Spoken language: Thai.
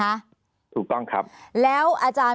ภารกิจสรรค์ภารกิจสรรค์